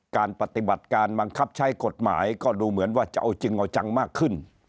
การปฏิบัติการบังคับใช้กฎหมายก็ดูเหมือนว่าจะเอาจริงเอาจังมากขึ้น